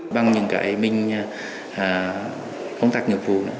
bằng những cái mình công tác nhiệm vụ đó